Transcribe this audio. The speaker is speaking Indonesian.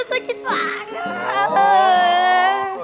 aduh ustaz sakit banget